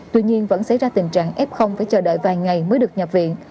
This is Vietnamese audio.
tuy nhiên vẫn xảy ra tình trạng f phải chờ đợi vài ngày mới được nhập viện